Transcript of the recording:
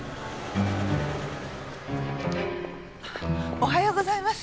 おはようございます。